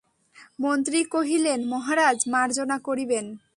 মন্ত্রী কহিলেন, মহারাজ, মার্জনা করিবেন।